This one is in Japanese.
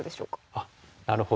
あっなるほど。